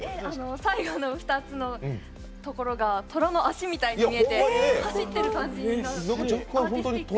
最後の２つのところがトラの脚みたいに見えて走ってる感じが。